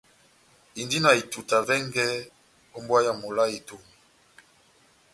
Indini na etuta vɛngɛ ó mbówa mola Etomi.